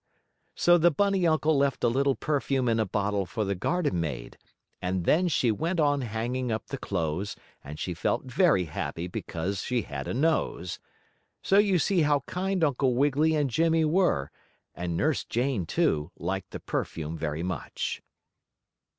So the bunny uncle left a little perfume in a bottle for the garden maid, and then she went on hanging up the clothes, and she felt very happy because she had a nose. So you see how kind Uncle Wiggily and Jimmie were, and Nurse Jane, too, liked the perfume very much.